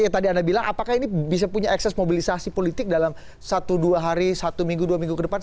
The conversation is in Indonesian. yang tadi anda bilang apakah ini bisa punya ekses mobilisasi politik dalam satu dua hari satu minggu dua minggu ke depan